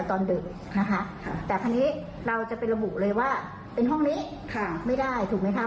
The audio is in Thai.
ก็เลยได้แค่รับข้อมูลไว้ว่าห้องนี้ห้องนี้เขาสงสัย